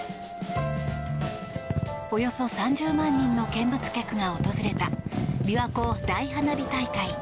およそ３０万人の見物客が訪れたびわ湖大花火大会。